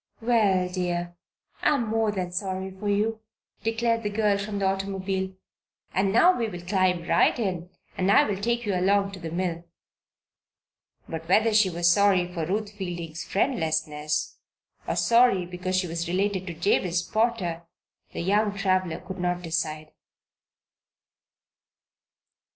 "Well, dear, I am more than sorry for you," declared the girl from the automobile. "And now we will climb right in and I'll take you along to the mill." But whether she was sorry for Ruth Fielding's friendlessness, or sorry because she was related to Jabez Potter, the young traveler could not decide.